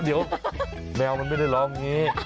เดี๋ยวแมวมันไม่ได้ร้องเฮ้